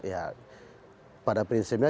ya pada prinsipnya